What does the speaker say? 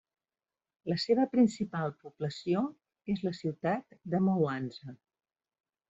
La seva principal població és la ciutat de Mwanza.